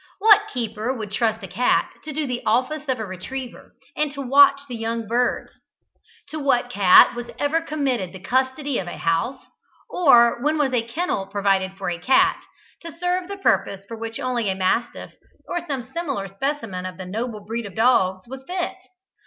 What keeper would trust a cat to do the office of a retriever, and to watch the young birds? To what cat was ever committed the custody of a house, or when was a kennel provided for a cat, to serve the purpose for which only a mastiff, or some similar specimen of the noble breed of dogs, was fit?